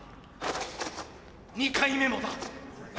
２回目もだ。